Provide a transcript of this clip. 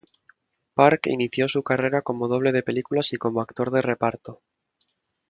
Park inició su carrera como doble de películas y como actor de reparto.